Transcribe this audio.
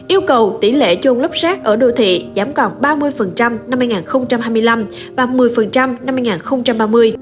yêu cầu tỷ lệ chôn lấp rác ở đô thị giảm còn ba mươi năm hai nghìn hai mươi năm và một mươi năm hai nghìn ba mươi